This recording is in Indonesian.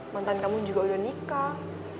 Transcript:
mantan kamu juga udah nikah